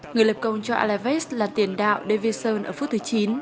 người lập công cho alaves là tiền đạo david sohn ở phút thứ chín